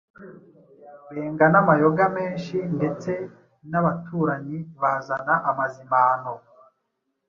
benga n' amayoga menshi ndetse n' abaturanyi bazana amazimano.